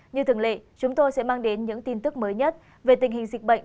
như thường lệ chúng tôi sẽ mang đến những tin tức mới nhất về tình hình dịch bệnh